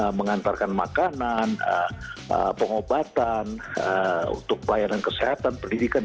untuk mengantarkan makanan pengobatan untuk pelayanan kesehatan pendidikan